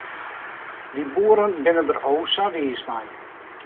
Dy boeren binne der o sa wiis mei.